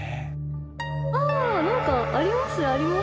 ああなんかありますあります。